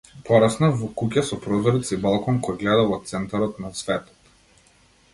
Пораснав во куќа со прозорец и балкон кој гледа во центарот на светот.